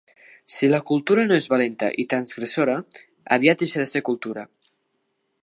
Si la cultura no és valenta i transgressora, aviat deixa de ser cultura.